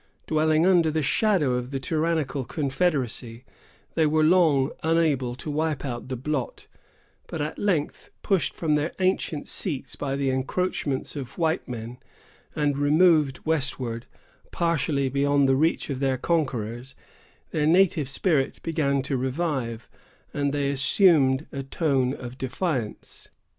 Dwelling under the shadow of the tyrannical confederacy, they were long unable to wipe out the blot; but at length, pushed from their ancient seats by the encroachments of white men, and removed westward, partially beyond the reach of their conquerors, their native spirit began to revive, and they assumed a tone of defiance.